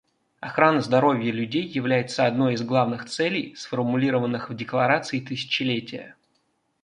Охрана здоровья людей является одной из главных целей, сформулированных в Декларации тысячелетия.